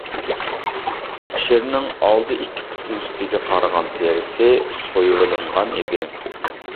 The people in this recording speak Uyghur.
شىرنىڭ ئالدى ئىككى پۇتى ئۈستىگە قارىغان تېرىسى سويۇۋېلىنغان ئىدى.